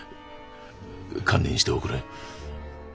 堪忍しておくれ。